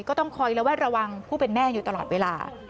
ก็ต้องคอยระแวดระวังผู้เป็นแม่อยู่ตลอดเวลา